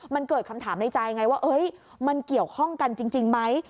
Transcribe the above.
มันเกิดคำถามในใจไงว่ามันเกี่ยวข้องกันจริงไหม